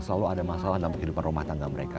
selalu ada masalah dalam kehidupan rumah tangga mereka